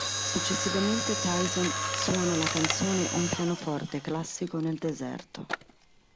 Successivamente Tyson suona la canzone un pianoforte classico nel deserto.